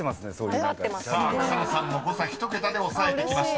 ［さあ草野さんも誤差１桁で抑えてきました。